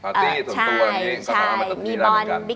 พาร์ตี้สัตว์ตัวอย่างนี้ก็พอมาเจ้าชิดที่ร้านเหมือนกัน